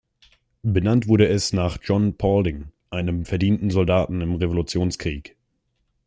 Benannt wurde es nach John Paulding, einem verdienten Soldaten im Revolutionskrieg.